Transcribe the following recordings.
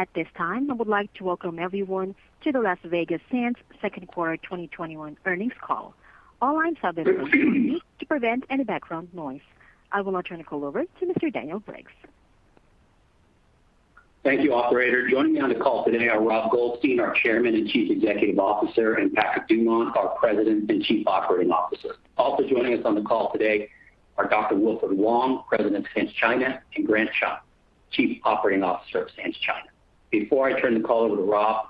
At this time, I would like to welcome everyone to the Las Vegas Sands second quarter 2021 earnings call. All lines have been to prevent any background noise. I will now turn the call over to Mr. Daniel Briggs. Thank you, operator. Joining me on the call today are Rob Goldstein, our Chairman and Chief Executive Officer, and Patrick Dumont, our President and Chief Operating Officer. Also joining us on the call today are Dr. Wilfred Wong, President of Sands China, and Grant Chum, Chief Operating Officer of Sands China. Before I turn the call over to Rob,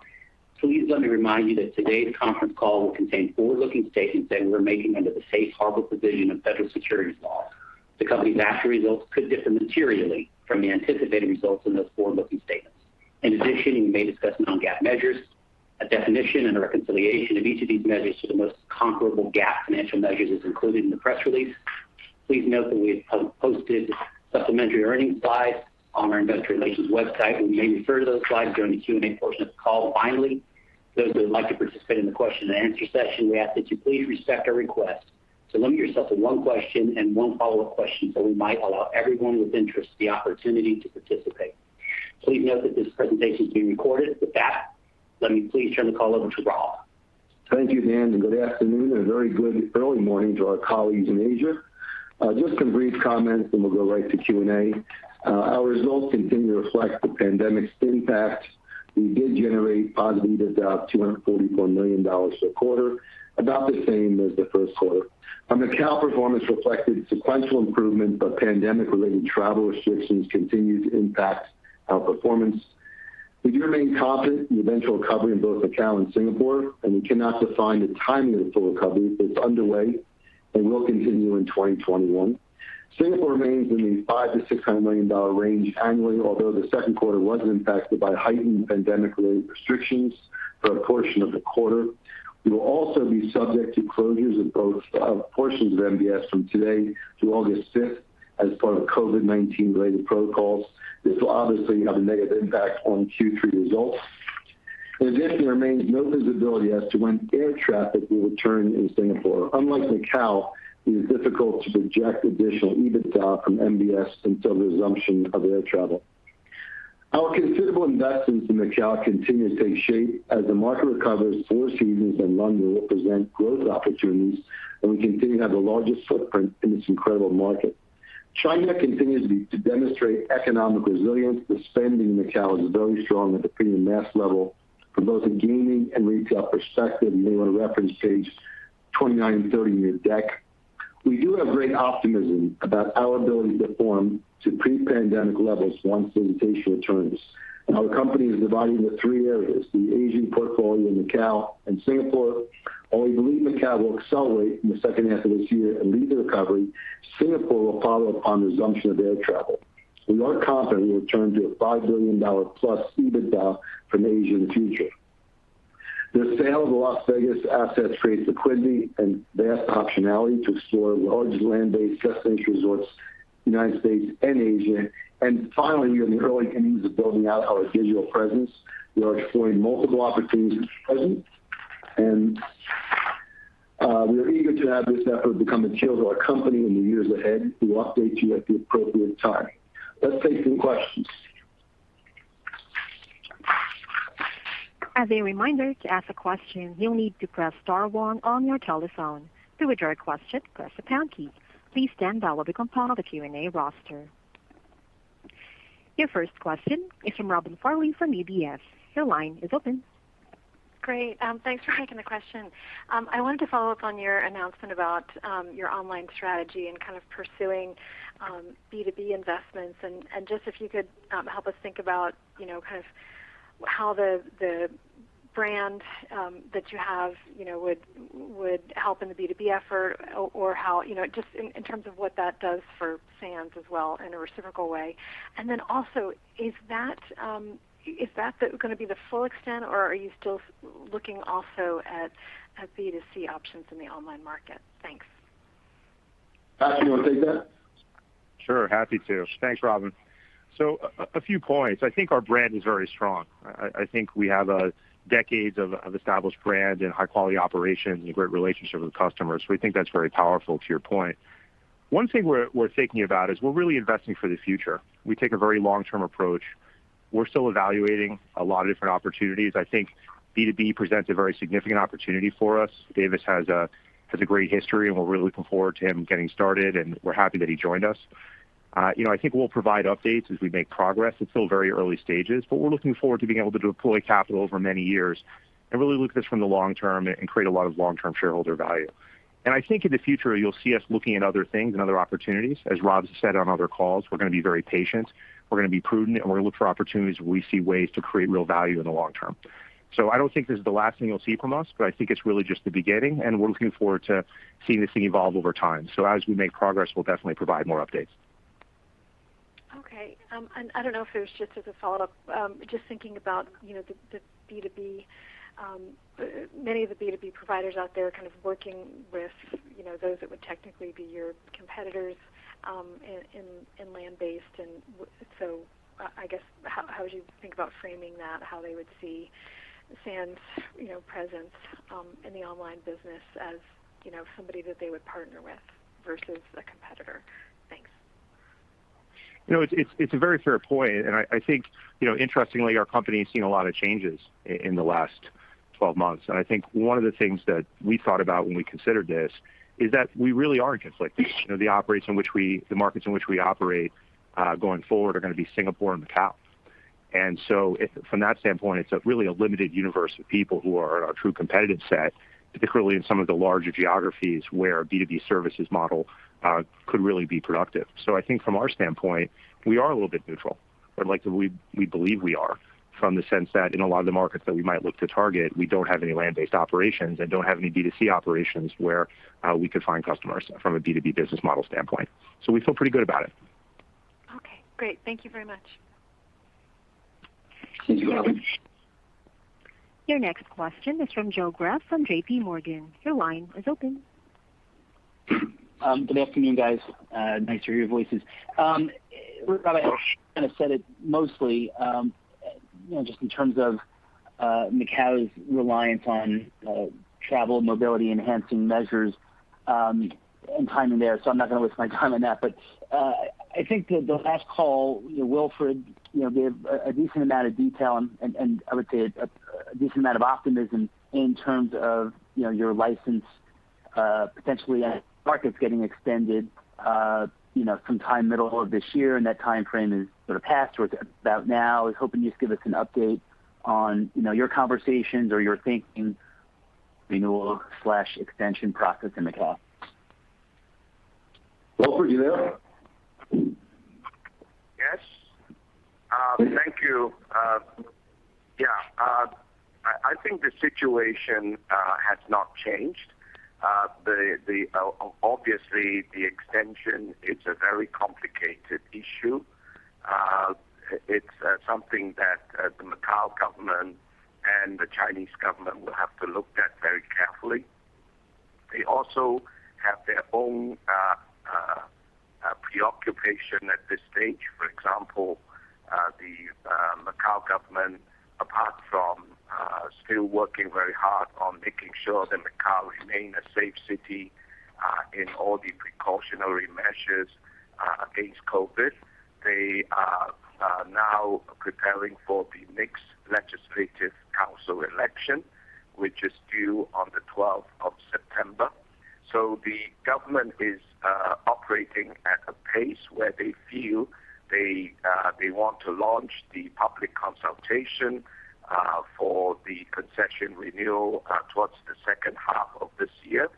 please let me remind you that today's conference call will contain forward-looking statements that we're making under the Safe Harbor provisions of federal securities laws. The company's actual results could differ materially from the anticipated results in those forward-looking statements. In addition, we may discuss non-GAAP measures. A definition and a reconciliation of each of these measures to the most comparable GAAP financial measures is included in the press release. Please note that we have posted supplementary earnings slides on our investor relations website. We may refer to those slides during the Q&A portion of the call. Finally, those who would like to participate in the question and answer session, we ask that you please respect our request to limit yourself to one question and one follow-up question so we might allow everyone with interest the opportunity to participate. Please note that this presentation is being recorded. With that, let me please turn the call over to Rob. Thank you, Dan, and good afternoon, and a very good early morning to our colleagues in Asia. Just some brief comments, then we'll go right to Q&A. Our results continue to reflect the pandemic's impact. We did generate positive EBITDA of $244 million for the quarter, about the same as the first quarter. On the Macau performance reflected sequential improvement, but pandemic-related travel restrictions continued to impact our performance. We do remain confident in the eventual recovery in both Macau and Singapore, and we cannot define the timing of full recovery, but it's underway, and will continue in 2021. Singapore remains in the $500 million-$600 million range annually, although the second quarter was impacted by heightened pandemic-related restrictions for a portion of the quarter. We will also be subject to closures of portions of MBS from today to August 5th as part of COVID-19 related protocols. This will obviously have a negative impact on Q3 results. In addition, there remains no visibility as to when air traffic will return in Singapore. Unlike Macau, it is difficult to project additional EBITDA from MBS until the resumption of air travel. Our considerable investments in Macau continue to take shape. As the market recovers, Four Seasons and The Londoner will present growth opportunities, and we continue to have the largest footprint in this incredible market. China continues to demonstrate economic resilience. The spending in Macau is very strong at the premium mass level from both a gaming and retail perspective. You may want to reference page 29 and 30 in your deck. We do have great optimism about our ability to perform to pre-pandemic levels once visitation returns. Our company is divided into three areas, the aging portfolio in Macau and Singapore. While we believe Macau will accelerate in the second half of this year and lead the recovery, Singapore will follow upon the resumption of air travel. We are confident we will return to a $5+ billion EBITDA for Asia in the future. The sale of the Las Vegas assets creates liquidity and vast optionality to explore large land-based destination resorts in United States and Asia. Finally, we are in the early innings of building out our digital presence. We are exploring multiple opportunities at present, and we are eager to have this effort become the tail of our company in the years ahead. We will update you at the appropriate time. Let's take some questions. Your first question is from Robin Farley from UBS. Your line is open. Great. Thanks for taking the question. I wanted to follow up on your announcement about your online strategy and kind of pursuing B2B investments, and just if you could help us think about how the brand that you have would help in the B2B effort or just in terms of what that does for Sands as well in a reciprocal way. Also, is that going to be the full extent, or are you still looking also at B2C options in the online market? Thanks. Patrick, you want to take that? Sure. Happy to. Thanks, Robin. A few points. I think our brand is very strong. I think we have decades of established brand and high-quality operations and a great relationship with customers. We think that's very powerful to your point. One thing we're thinking about is we're really investing for the future. We take a very long-term approach. We're still evaluating a lot of different opportunities. I think B2B presents a very significant opportunity for us. Davis has a great history, and we're really looking forward to him getting started, and we're happy that he joined us. I think we'll provide updates as we make progress. It's still very early stages, but we're looking forward to being able to deploy capital over many years and really look at this from the long term and create a lot of long-term shareholder value. I think in the future, you'll see us looking at other things and other opportunities. As Rob has said on other calls, we're going to be very patient, we're going to be prudent, and we're going to look for opportunities where we see ways to create real value in the long term. I don't think this is the last thing you'll see from us, but I think it's really just the beginning, and we're looking forward to seeing this thing evolve over time. As we make progress, we'll definitely provide more updates. Okay. I don't know if there's just as a follow-up, just thinking about the B2B. Many of the B2B providers out there are kind of working with those that would technically be your competitors in land-based, I guess how would you think about framing that? How they would see Sands' presence in the online business as somebody that they would partner with versus a competitor? Thanks. It's a very fair point, and I think, interestingly, our company has seen a lot of changes in the last 12 months. I think one of the things that we thought about when we considered this is that we really are conflict-free. The markets in which we operate going forward are going to be Singapore and Macau. From that standpoint, it's really a limited universe of people who are our true competitive set, particularly in some of the larger geographies where a B2B services model could really be productive. I think from our standpoint, we are a little bit neutral. We believe we are, from the sense that in a lot of the markets that we might look to target, we don't have any land-based operations and don't have any B2C operations where we could find customers from a B2B business model standpoint. We feel pretty good about it. Okay, great. Thank you very much. Thank you. Your next question is from Joe Greff from JPMorgan. Your line is open. Good afternoon, guys. Nice to hear your voices. Wilfred kind of said it mostly, just in terms of Macau's reliance on travel mobility-enhancing measures in time there, so I'm not going to waste my time on that. I think the last call, Wilfred gave a decent amount of detail and I would say a decent amount of optimism in terms of your license, potentially that market's getting extended sometime middle of this year, and that timeframe is sort of passed. We're about now hoping you'd give us an update on your conversations or your thinking, renewal/extension process in Macau. Wilfred, you there? Yes. Thank you. I think the situation has not changed. Obviously, the extension, it's a very complicated issue. It's something that the Macau government and the Chinese government will have to look at very carefully. They also have their own preoccupation at this stage. For example, the Macau government, apart from still working very hard on making sure that Macau remain a safe city in all the precautionary measures against COVID, they are now preparing for the next Legislative Council election, which is due on the 12th of September. The government is operating at a pace where they feel they want to launch the public consultation for the concession renewal towards the second half of this year,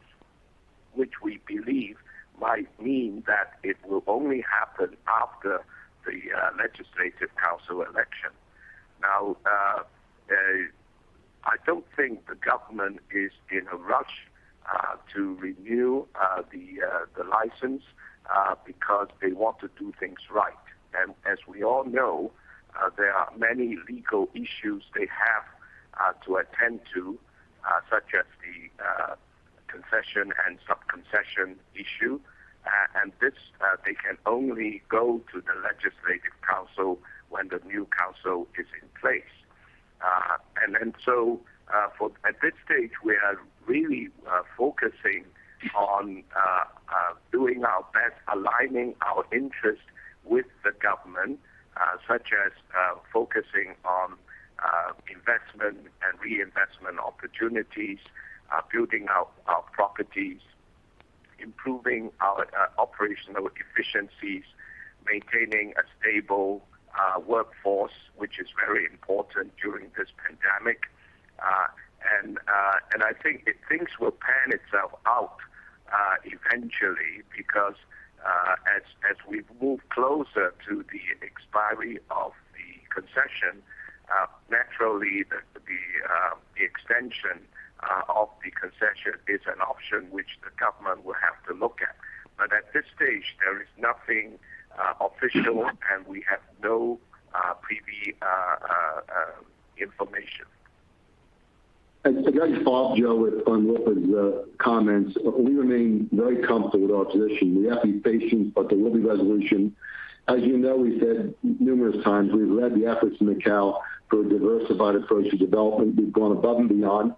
which we believe might mean that it will only happen after the Legislative Council election. Now, I don't think the government is in a rush to renew the license because they want to do things right. As we all know, there are many legal issues they have to attend to, such as the concession and sub-concession issue. This, they can only go to the Legislative Council when the new council is in place. At this stage, we are really focusing on doing our best, aligning our interest with the government, such as focusing on investment and reinvestment opportunities, building out our properties, improving our operational efficiencies, maintaining a stable workforce, which is very important during this pandemic. I think things will pan itself out eventually, because as we move closer to the expiry of the concession, naturally, the extension of the concession is an option which the government will have to look at. At this stage, there is nothing official and we have no preview information. To follow Joe with on Wilfred's comments, we remain very comfortable with our position. We have to be patient, but there will be resolution. As you know, we said numerous times, we've led the efforts in Macau for a diversified approach to development. We've gone above and beyond.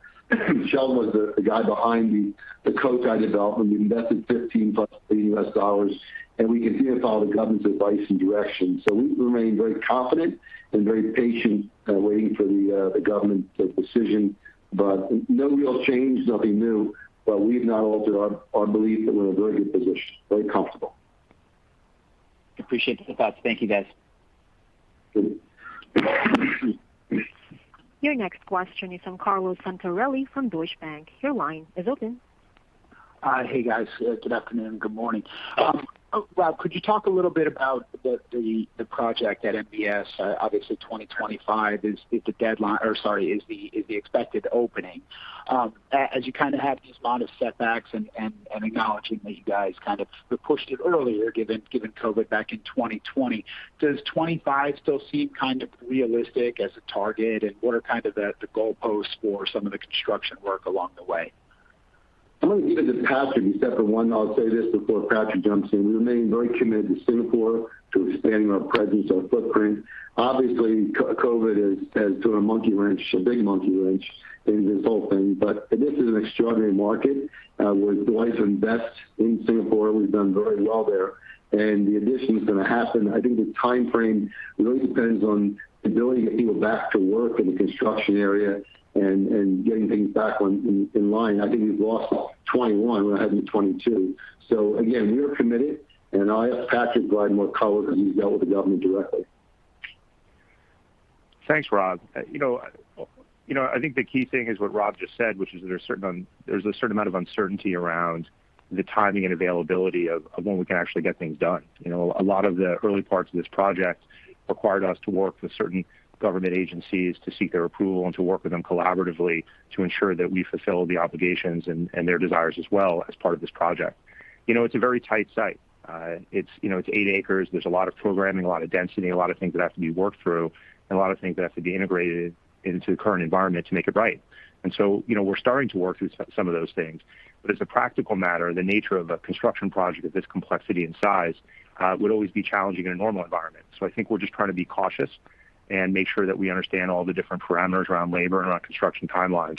Sheldon was the guy behind the Cotai development. We invested $15+ billion, and we continue to follow the government's advice and direction. We remain very confident and very patient waiting for the government's decision. No real change, nothing new, but we've not altered our belief that we're in a very good position, very comfortable. Appreciate the thoughts. Thank you, guys. Sure. Your next question is from Carlo Santarelli from Deutsche Bank. Your line is open. Hey, guys. Good afternoon. Good morning. Rob, could you talk a little bit about the project at MBS? Obviously, 2025 is the expected opening. As you had these lot of setbacks and acknowledging that you guys pushed it earlier, given COVID back in 2020. Does 2025 still seem realistic as a target? What are the goalposts for some of the construction work along the way? I'm going to give you this pass, except for one, I'll say this before Patrick jumps in. We remain very committed to Singapore, to expanding our presence, our footprint. Obviously, COVID has threw a monkey wrench, a big monkey wrench, in this whole thing. This is an extraordinary market. We're delighted to invest in Singapore. We've done very well there. The addition's going to happen. I think the timeframe really depends on the ability to get people back to work in the construction area and getting things back in line. I think we've lost 2021. We're heading to 2022. Again, we are committed. I'll ask Patrick Dumont what color, because he's dealt with the government directly. Thanks, Rob. I think the key thing is what Rob just said, which is there's a certain amount of uncertainty around the timing and availability of when we can actually get things done. A lot of the early parts of this project required us to work with certain government agencies to seek their approval and to work with them collaboratively to ensure that we fulfill the obligations and their desires as well as part of this project. It's a very tight site. It's eight acres. There's a lot of programming, a lot of density, a lot of things that have to be worked through, and a lot of things that have to be integrated into the current environment to make it right. We're starting to work through some of those things. As a practical matter, the nature of a construction project of this complexity and size would always be challenging in a normal environment. I think we're just trying to be cautious and make sure that we understand all the different parameters around labor and around construction timelines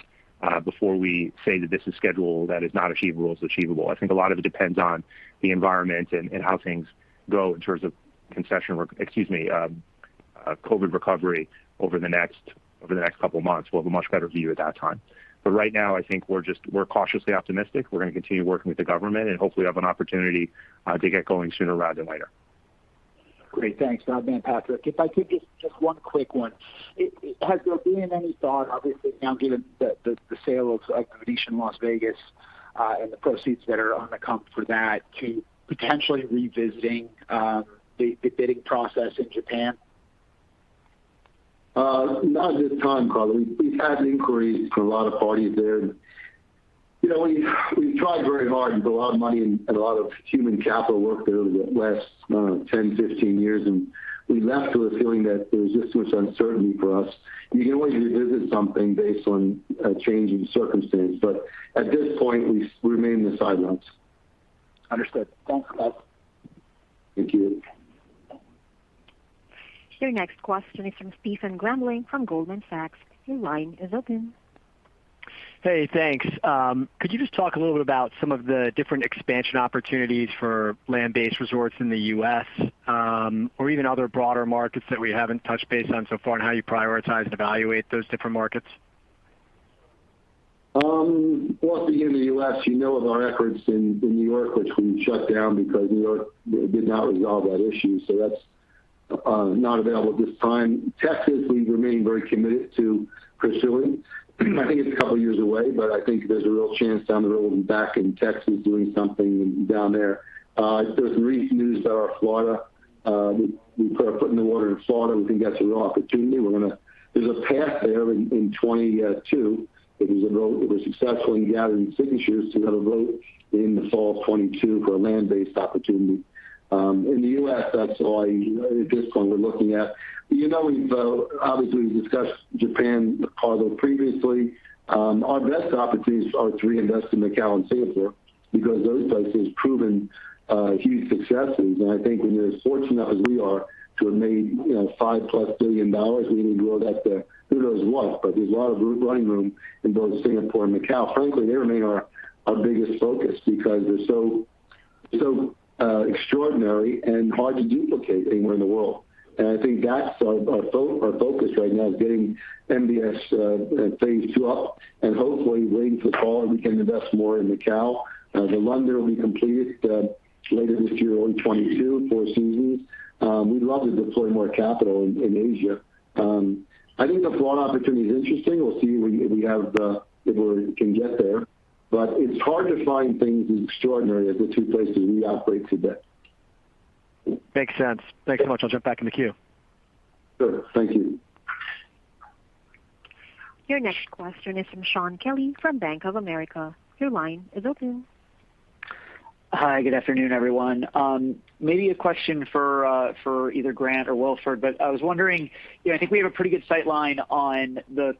before we say that this is scheduled, it's achievable. I think a lot of it depends on the environment and how things go in terms of COVID-19 recovery over the next couple of months. We'll have a much better view at that time. Right now, I think we're cautiously optimistic. We're going to continue working with the government and hopefully have an opportunity to get going sooner rather than later. Great. Thanks, Rob and Patrick. If I could, just one quick one. Has there been any thought, obviously now, given the sale of The Venetian and the proceeds that are on the comp for that, to potentially revisiting the bidding process in Japan? Not at this time, Carlo. We've had inquiries from a lot of parties there. We've tried very hard and put a lot of money and a lot of human capital work there over the last 10, 15 years, and we left with a feeling that there was just too much uncertainty for us. You can always revisit something based on a change in circumstance. At this point, we remain in the sidelines. Understood. Thanks, Rob. Thank you. Your next question is from Stephen Grambling from Goldman Sachs. Your line is open. Hey, thanks. Could you just talk a little bit about some of the different expansion opportunities for land-based resorts in the U.S., or even other broader markets that we haven't touched base on so far, and how you prioritize and evaluate those different markets? Well, at the end of the U.S., you know of our efforts in New York, which we shut down because New York did not resolve that issue. That's not available at this time. Texas, we remain very committed to pursuing. I think it's a couple of years away, but I think there's a real chance down the road of being back in Texas doing something down there. There's some recent news about Florida. We put our foot in the water in Florida. We think that's a real opportunity. There's a path there in 2022. There was a vote. We were successful in gathering signatures to have a vote in the fall of 2022 for a land-based opportunity. In the U.S., that's all, at this point, we're looking at. You know we've obviously discussed Japan, Carlo, previously. Our best opportunities are to reinvest in Macao and Singapore because those places have proven huge successes. I think when you're as fortunate as we are to have made $5+ billion, we need to go back to who knows what? There's a lot of room, running room in both Singapore and Macao. Frankly, they remain our biggest focus because they're so extraordinary and hard to duplicate anywhere in the world. I think that's our focus right now, is getting MBS Phase 2 up and hopefully waiting for the fall and we can invest more in Macao. The Londoner will be completed later this year, early 2022, Four Seasons. We'd love to deploy more capital in Asia. I think the Florida opportunity is interesting. We'll see if we can get there. It's hard to find things as extraordinary as the two places we operate today. Makes sense. Thanks so much. I'll jump back in the queue. Sure. Thank you. Your next question is from Shaun Kelley from Bank of America. Your line is open. Hi, good afternoon, everyone. Maybe a question for either Grant or Wilfred, but I was wondering, I think we have a pretty good sightline on the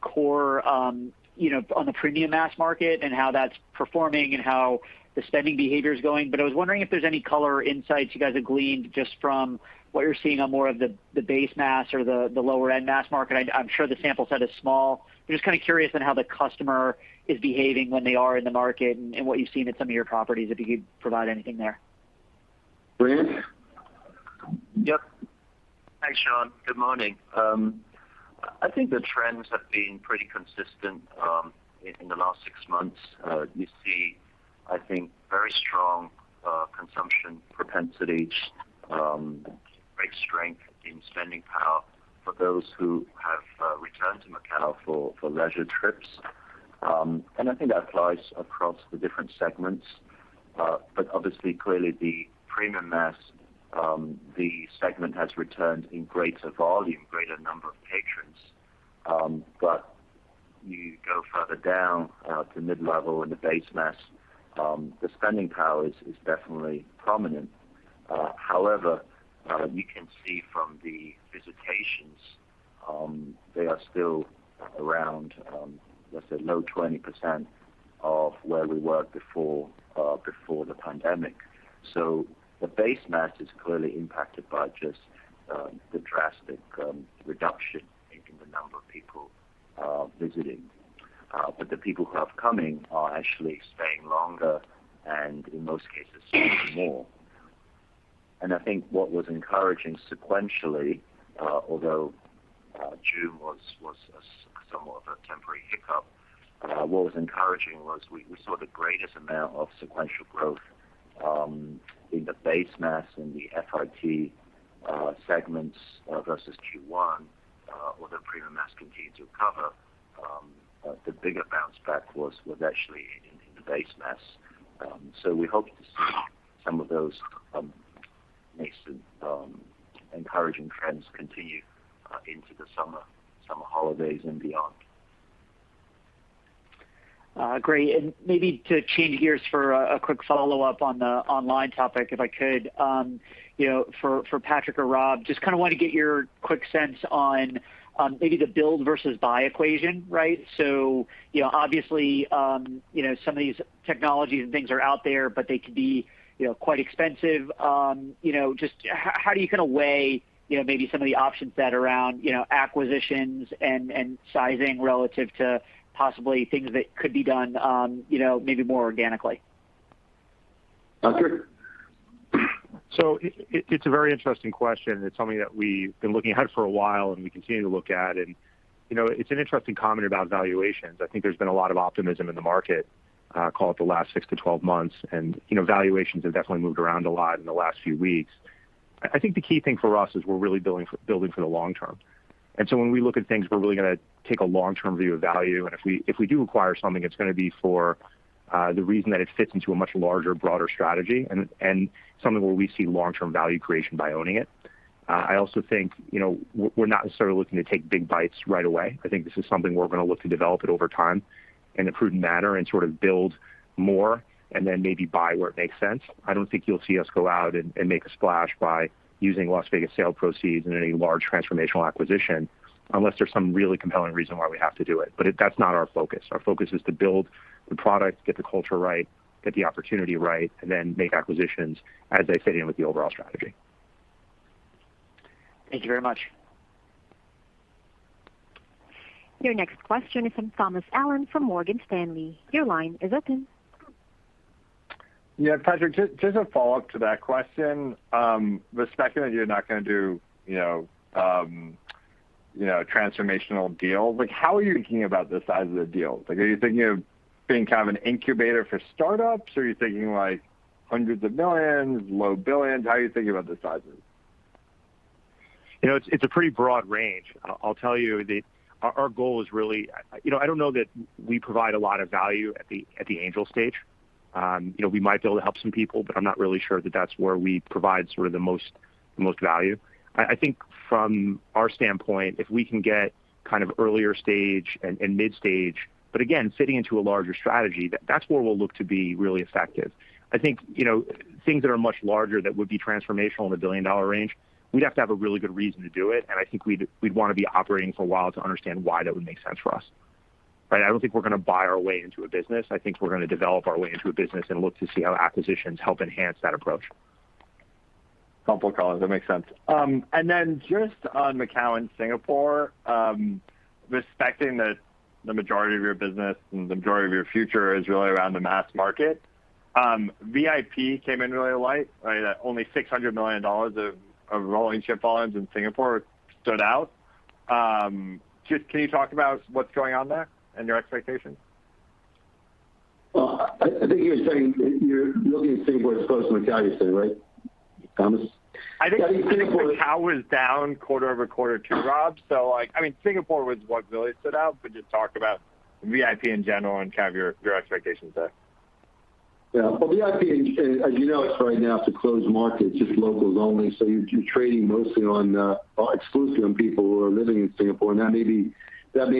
premium mass market and how that's performing and how the spending behavior is going. I was wondering if there's any color or insights you guys have gleaned just from what you're seeing on more of the base mass or the lower-end mass market. I'm sure the sample set is small. I'm just kind of curious on how the customer is behaving when they are in the market and what you've seen at some of your properties, if you could provide anything there. Grant? Yep. Hi, Shaun. Good morning. I think the trends have been pretty consistent in the last six months. You see, I think, very strong consumption propensities, great strength in spending power for those who have returned to Macau for leisure trips. I think that applies across the different segments. Obviously, clearly, the premium mass, the segment has returned in greater volume, greater number of patrons. You go further down to mid-level and the base mass, the spending power is definitely prominent. However, we can see from the visitations. They are still around, let's say, low 20% of where we were before the pandemic. The base mass is clearly impacted by just the drastic reduction in the number of people visiting. The people who are coming are actually staying longer, and in most cases, spending more. I think what was encouraging sequentially, although June was somewhat of a temporary hiccup, what was encouraging was we saw the greatest amount of sequential growth in the base mass in the FRT segments versus Q1, where the premium mass continues to recover. The bigger bounce back was actually in the base mass. We hope to see some of those encouraging trends continue into the summer holidays and beyond. Great. Maybe to change gears for a quick follow-up on the online topic, if I could, for Patrick or Rob, just want to get your quick sense on maybe the build versus buy equation, right? Obviously, some of these technologies and things are out there, but they could be quite expensive. Just how do you weigh maybe some of the options that around, acquisitions and sizing relative to possibly things that could be done maybe more organically? Patrick? It's a very interesting question. It's something that we've been looking at for a while, and we continue to look at. It's an interesting comment about valuations. I think there's been a lot of optimism in the market, call it the last 6-12 months, and valuations have definitely moved around a lot in the last few weeks. I think the key thing for us is we're really building for the long term. When we look at things, we're really going to take a long-term view of value. If we do acquire something, it's going to be for the reason that it fits into a much larger, broader strategy, and something where we see long-term value creation by owning it. I also think, we're not necessarily looking to take big bites right away. I think this is something we're going to look to develop at over time in a prudent manner and sort of build more and then maybe buy where it makes sense. I don't think you'll see us go out and make a splash by using Las Vegas sale proceeds in any large transformational acquisition, unless there's some really compelling reason why we have to do it. But that's not our focus. Our focus is to build the product, get the culture right, get the opportunity right, and then make acquisitions as they fit in with the overall strategy. Thank you very much. Your next question is from Thomas Allen from Morgan Stanley. Your line is open. Yeah, Patrick, just a follow-up to that question. The spec that you're not going to do a transformational deal. How are you thinking about the size of the deal? Are you thinking of being kind of an incubator for startups, or are you thinking hundreds of millions, low billions? How are you thinking about the sizes? It's a pretty broad range. I'll tell you that our goal is really. I don't know that we provide a lot of value at the angel stage. We might be able to help some people, but I'm not really sure that that's where we provide sort of the most value. I think from our standpoint, if we can get kind of earlier stage and mid stage, but again, fitting into a larger strategy, that's where we'll look to be really effective. I think things that are much larger that would be transformational in the billion-dollar range, we'd have to have a really good reason to do it. I think we'd want to be operating for a while to understand why that would make sense for us, right? I don't think we're going to buy our way into a business. I think we're going to develop our way into a business and look to see how acquisitions help enhance that approach. Couple of calls. That makes sense. Just on Macau and Singapore, respecting that the majority of your business and the majority of your future is really around the mass market. VIP came in really light. Only $600 million of rolling chip volumes in Singapore stood out. Just can you talk about what's going on there and your expectations? Well, I think you're looking at Singapore as opposed to Macau, you said, right, Thomas? I think Macau was down quarter-over-quarter too, Rob. Singapore was what really stood out, but just talk about VIP in general and kind of your expectations there. Yeah. Well, VIP, as you know, it's right now, it's a closed market. It's just locals only. You're trading mostly on exclusive people who are living in Singapore, and that may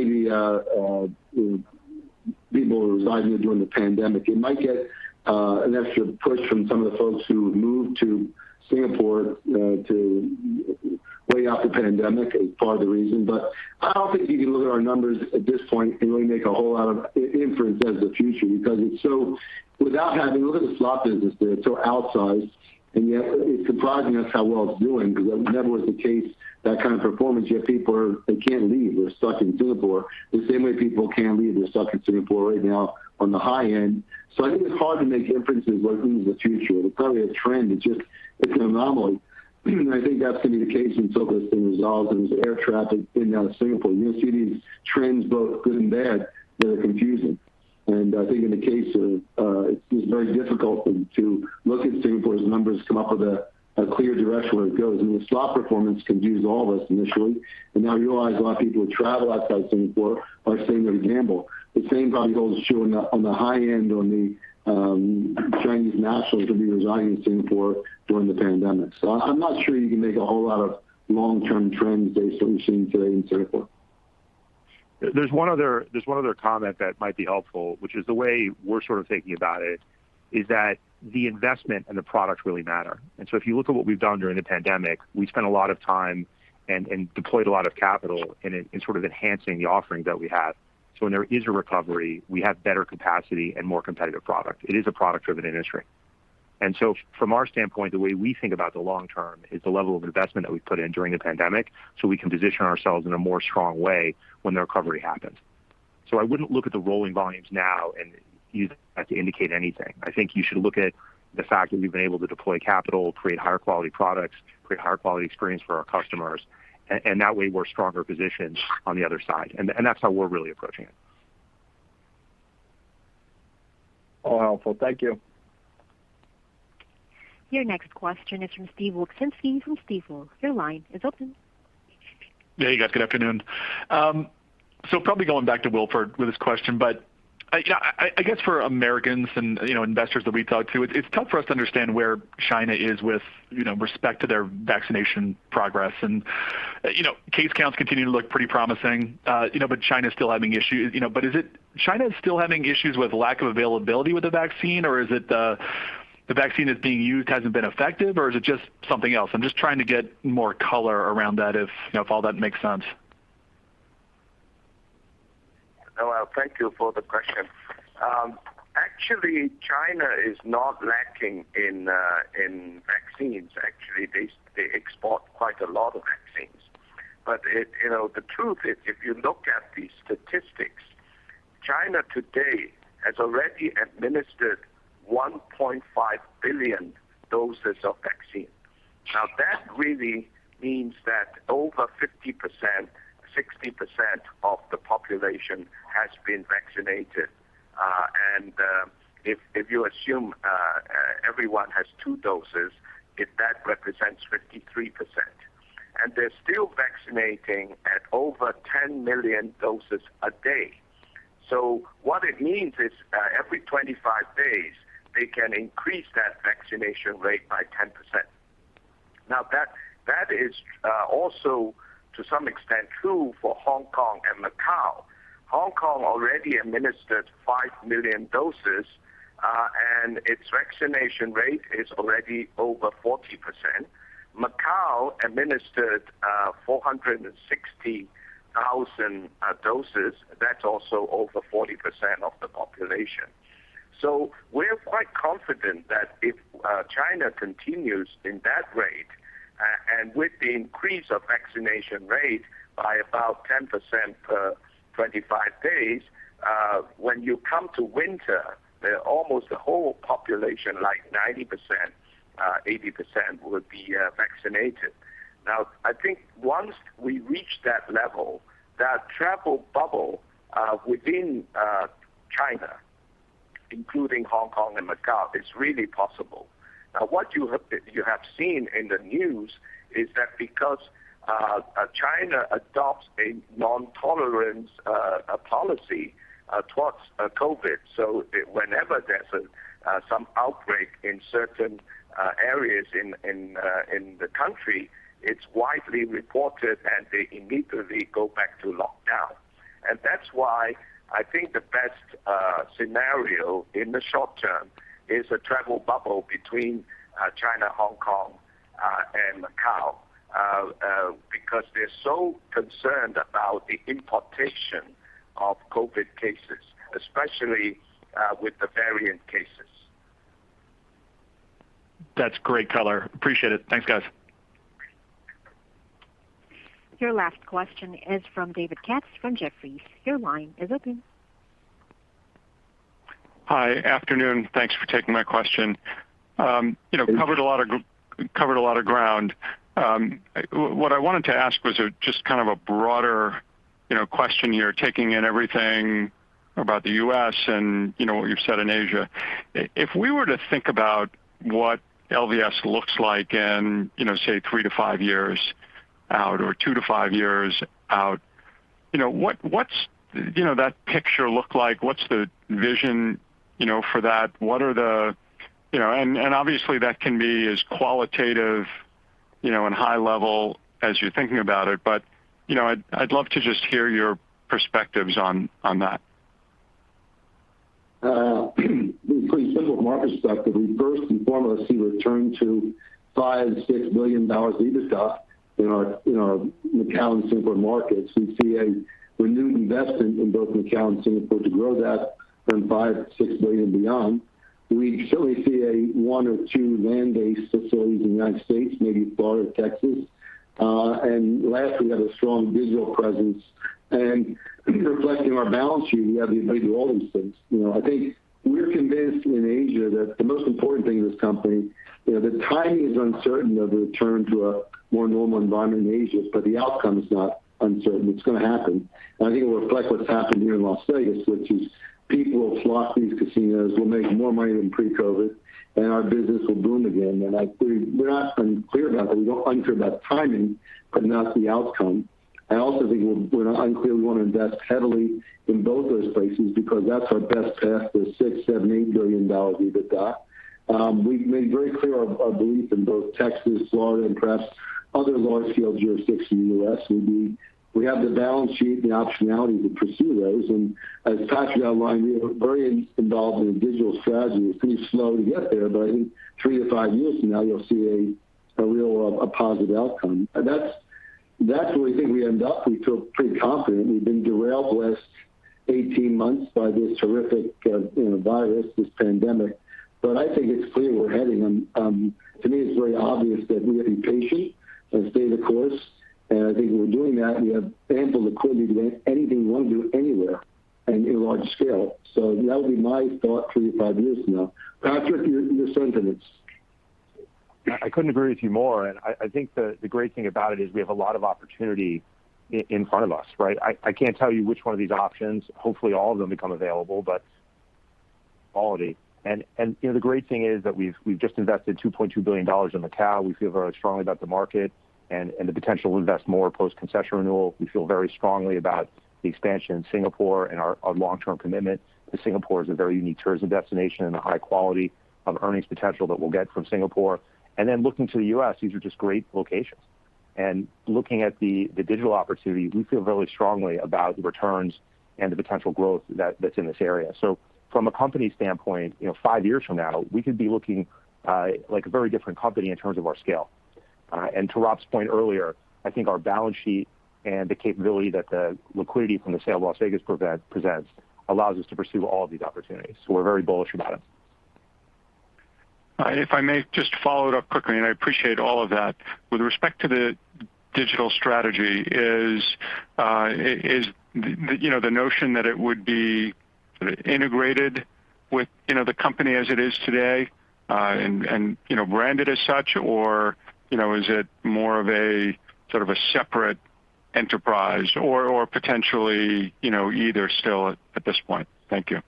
be people who reside there during the pandemic. It might get an extra push from some of the folks who moved to Singapore to ride out the pandemic is part of the reason. I don't think you can look at our numbers at this point and really make a whole lot of inference as the future, because look at the slot business there, it's so outsized, and yet it's surprising us how well it's doing because that never was the case, that kind of performance, yet people, they can't leave. They're stuck in Singapore, the same way people can't leave. They're stuck in Singapore right now on the high end. I think it's hard to make inferences as to the future. It's probably a trend. It's an anomaly. I think that's going to be the case until this thing resolves and there's air traffic in and out of Singapore. You'll see these trends, both good and bad that are confusing. I think in the case of, it's very difficult to look at Singapore's numbers to come up with a clear direction where it goes, and the slot performance confused all of us initially. Now you realize a lot of people who travel outside Singapore are staying there to gamble. The same probably goes to showing up on the high end on the Chinese nationals that'll be residing in Singapore during the pandemic. I'm not sure you can make a whole lot of long-term trends based on what you're seeing today until There's one other comment that might be helpful, which is the way we're sort of thinking about it is that the investment and the product really matter. If you look at what we've done during the pandemic, we've spent a lot of time and deployed a lot of capital in sort of enhancing the offerings that we have. When there is a recovery, we have better capacity and more competitive product. It is a product-driven industry. From our standpoint, the way we think about the long term is the level of investment that we put in during the pandemic, so we can position ourselves in a more strong way when the recovery happens. I wouldn't look at the rolling volumes now and use that to indicate anything. I think you should look at the fact that we've been able to deploy capital, create higher quality products, create higher quality experience for our customers, and that way we're stronger positioned on the other side. That's how we're really approaching it. All helpful. Thank you. Your next question is from Steven Wieczynski from Stifel. Your line is open. Yeah, you guys, good afternoon. Probably going back to Wilfred with this question, but I guess for Americans and investors that we talk to, it's tough for us to understand where China is with respect to their vaccination progress. Case counts continue to look pretty promising, but China's still having issues. Is it China is still having issues with lack of availability with the vaccine, or is it the vaccine that's being used hasn't been effective, or is it just something else? I'm just trying to get more color around that, if all that makes sense. No, thank you for the question. Actually, China is not lacking in vaccines. Actually, they export quite a lot of vaccines. The truth is, if you look at the statistics, China today has already administered 1.5 billion doses of vaccine. That really means that over 50%, 60% of the population has been vaccinated. If you assume everyone has two doses, that represents 53%. They're still vaccinating at over 10 million doses a day. What it means is, every 25 days, they can increase that vaccination rate by 10%. That is also, to some extent, true for Hong Kong and Macau. Hong Kong already administered 5 million doses, and its vaccination rate is already over 40%. Macau administered 460,000 doses. That's also over 40% of the population. We're quite confident that if China continues in that rate, and with the increase of vaccination rate by about 10% per 25 days, when you come to winter, almost the whole population, like 90%, 80% will be vaccinated. I think once we reach that level, that travel bubble within China, including Hong Kong and Macau, is really possible. What you have seen in the news is that because China adopts a non-tolerance policy towards COVID, so whenever there's some outbreak in certain areas in the country, it's widely reported, and they immediately go back to lockdown. That's why I think the best scenario in the short term is a travel bubble between China, Hong Kong, and Macau, because they're so concerned about the importation of COVID cases, especially with the variant cases. That's great color. Appreciate it. Thanks, guys. Your last question is from David Katz from Jefferies. Your line is open. Hi. Afternoon. Thanks for taking my question. Thank you. Covered a lot of ground. What I wanted to ask was just kind of a broader question here, taking in everything about the U.S. and what you've said in Asia. If we were to think about what LVS looks like in, say, three-five years out or two-five years out, what's that picture look like? What's the vision for that? Obviously that can be as qualitative and high level as you're thinking about it, but I'd love to just hear your perspectives on that. From a simple market perspective, we first and foremost see return to $5 billion-$6 billion EBITDA in our Macau and Singapore markets. We see a renewed investment in both Macau and Singapore to grow that from $5 billion-$6 billion beyond. We certainly see a one or two land-based facilities in the United States, maybe Florida, Texas. Last, we have a strong digital presence. Reflecting our balance sheet, we have the ability to do all these things. I think we're convinced in Asia that the most important thing in this company, the timing is uncertain of the return to a more normal environment in Asia, the outcome's not uncertain. It's going to happen. I think it will reflect what's happened here in Las Vegas, which is people will flock to these casinos. We'll make more money than pre-COVID-19. Our business will boom again. We're not unclear about that. We're unclear about timing, but not the outcome. I also think we're unclear we want to invest heavily in both those places because that's our best path to $6 billion, $7 billion, $8 billion EBITDA. We've made very clear our belief in both Texas, Florida, and perhaps other large-scale jurisdictions in the U.S. We have the balance sheet and the optionality to pursue those. As Patrick outlined, we are very involved in the digital strategy. It's pretty slow to get there, but in three to five years from now, you'll see a real positive outcome. That's where we think we end up. We feel pretty confident. We've been derailed the last 18 months by this terrific virus, this pandemic. I think it's clear we're heading in. To me, it's very obvious that we be patient and stay the course. I think we're doing that. We have ample liquidity to do anything we want to do anywhere and in large scale. That would be my thought three to five years from now. Patrick, your sentence. I couldn't agree with you more, I think the great thing about it is we have a lot of opportunity in front of us, right? I can't tell you which one of these options, hopefully all of them become available, but quality. The great thing is that we've just invested $2.2 billion in Macau. We feel very strongly about the market and the potential to invest more post concession renewal. We feel very strongly about the expansion in Singapore and our long-term commitment to Singapore as a very unique tourism destination and the high quality of earnings potential that we'll get from Singapore. Looking to the U.S., these are just great locations. Looking at the digital opportunities, we feel very strongly about the returns and the potential growth that's in this area. From a company standpoint, five years from now, we could be looking like a very different company in terms of our scale. To Rob's point earlier, I think our balance sheet and the capability that the liquidity from the sale of Las Vegas presents allows us to pursue all of these opportunities. We're very bullish about it. If I may just follow it up quickly, I appreciate all of that. With respect to the digital strategy, is the notion that it would be sort of integrated with the company as it is today and branded as such, or is it more of a separate enterprise or potentially either still at this point? Thank you.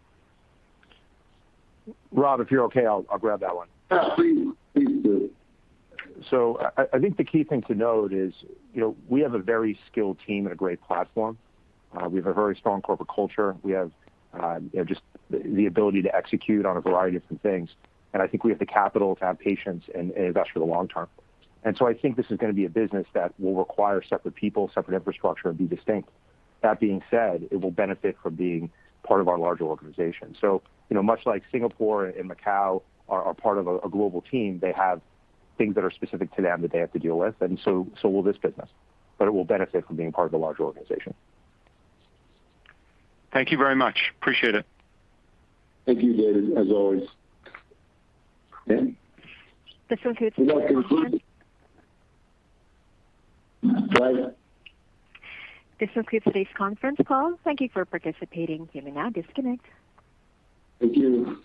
Rob, if you're okay, I'll grab that one. Yeah, please do. I think the key thing to note is we have a very skilled team and a great platform. We have a very strong corporate culture. We have just the ability to execute on a variety of different things, and I think we have the capital to have patience and invest for the long term. I think this is going to be a business that will require separate people, separate infrastructure, and be distinct. That being said, it will benefit from being part of our larger organization. Much like Singapore and Macau are part of a global team, they have things that are specific to them that they have to deal with, and so will this business, but it will benefit from being part of a larger organization. Thank you very much. Appreciate it. Thank you, David, as always. Dan? This will conclude- Would that conclude? Go ahead. This will conclude today's conference call. Thank you for participating. You may now disconnect. Thank you.